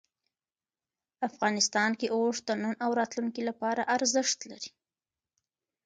افغانستان کې اوښ د نن او راتلونکي لپاره ارزښت لري.